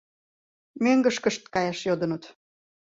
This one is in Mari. Мӧҥгышкышт каяш йодыныт.